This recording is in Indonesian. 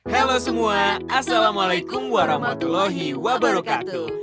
halo semua assalamualaikum warahmatullahi wabarakatuh